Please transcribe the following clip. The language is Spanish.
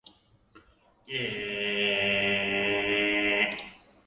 Estudió en el conservatorio de Queensland donde recibió una Medalla de Excelencia.